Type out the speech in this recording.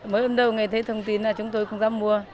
mới ấm đầu người thấy thông tin là chúng tôi không dám mua